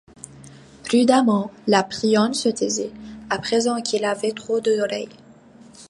Prudemment, la Pierronne se taisait, à présent qu’il y avait trop d’oreilles.